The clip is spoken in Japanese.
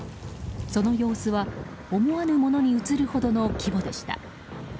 その様子は思わぬものに映るほどの規模でした。